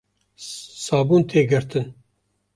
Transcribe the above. Sabûn tê girtin